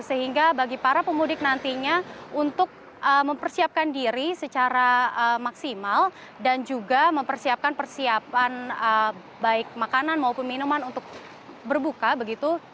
sehingga bagi para pemudik nantinya untuk mempersiapkan diri secara maksimal dan juga mempersiapkan persiapan baik makanan maupun minuman untuk berbuka begitu